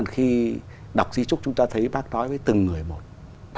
khi đọc di trúc chúng ta thấy bác nói với từng người một